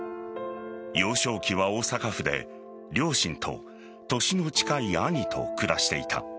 幼少期は大阪府で両親と年の近い兄と暮らしていた。